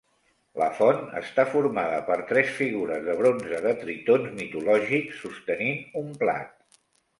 La font està formada per tres figures de bronze de tritons mitològics sostenint un plat.